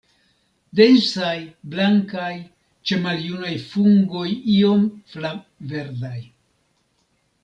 Densaj, blankaj, ĉe maljunaj fungoj iom flav-verdaj.